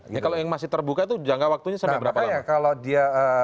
ini kalau yang masih terbuka itu jangka waktunya sampai berapa lama